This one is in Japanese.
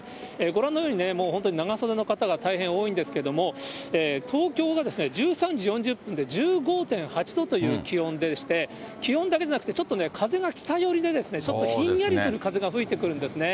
ご覧のように、もう本当に長袖の方が大変多いんですけれども、東京が１３時４０分で１５．８度という気温でして、気温だけでなくて、ちょっと風が北寄りで、ちょっとひんやりする風が吹いてくるんですね。